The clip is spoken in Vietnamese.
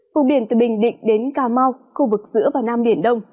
vùng biển từ bình định đến cà mau khu vực giữa và nam biển đông